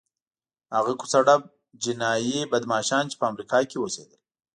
هغه کوڅه ډب جنایي بدماشان چې په امریکا کې اوسېدل.